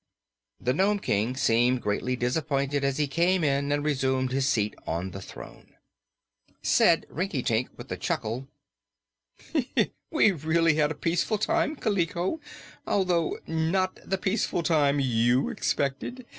The Nome King seemed greatly disappointed as he came in and resumed his seat on the throne. Said Rinkitink with a chuckle: "We've really had a peaceful time, Kaliko, although not the pieceful time you expected.